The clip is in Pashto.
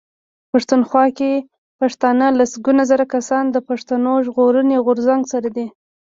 پښتونخوا کې پښتانه لسګونه زره کسان د پښتون ژغورني غورځنګ سره دي.